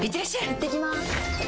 いってきます！